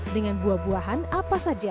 dengan buah buahan apa saja